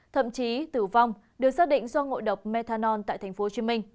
thậm chí tử vong được xác định do ngội độc methanol tại tp hcm